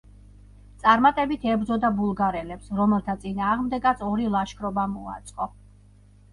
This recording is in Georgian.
წარმატებით ებრძოდა ბულგარელებს, რომელთა წინააღმდეგაც ორი ლაშქრობა მოაწყო.